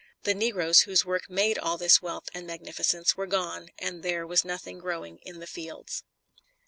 The negroes whose work made all this wealth and magnificence were gone, and there was nothing growing in the fields.